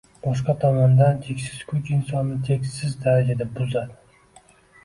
Boshqa tomondan, cheksiz kuch insonni cheksiz darajada buzadi